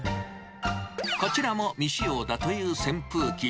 こちらも未使用だという扇風機。